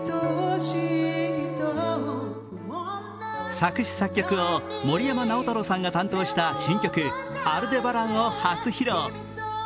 作詞・作曲を森山直太朗さんが担当した新曲「アルデバラン」を初披露。